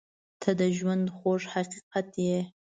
• ته د ژونده خوږ حقیقت یې.